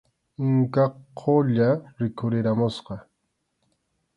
Inka Qulla rikhurirqamusqa.